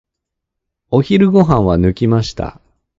お昼ご飯は抜きました。